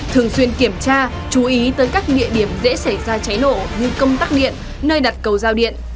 thường xuyên kiểm tra chú ý tới các địa điểm dễ xảy ra cháy nổ như công tắc điện nơi đặt cầu giao điện